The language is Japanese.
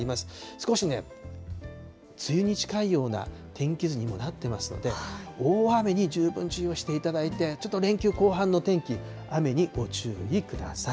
少しね、梅雨に近いような天気図にもなってますので、大雨に十分注意をしていただいて、ちょっと連休後半の天気、雨にご注意ください。